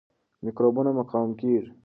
میکروبونه مقاوم کیږي.